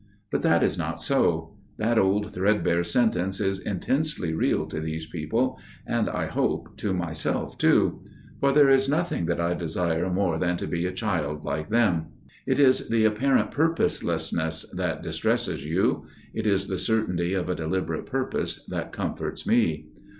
But that is not so; that old threadbare sentence is intensely real to these people, and, I hope, to myself too. For there is nothing that I desire more than to be a child like them. It is the apparent purposelessness that distresses you: it is the certainty of a deliberate purpose that comforts me.